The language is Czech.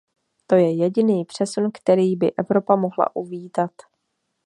To je jediný přesun, který by Evropa mohla uvítat.